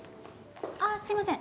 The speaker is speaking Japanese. あすいません。